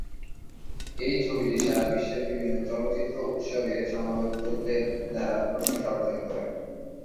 এই ছবিটি সারা বিশ্বের বিভিন্ন চলচ্চিত্র উৎসবে সমালোচকদের দ্বারা প্রশংসা অর্জন করে।